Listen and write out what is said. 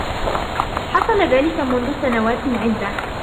حصل ذلك منذ سنوات عدة.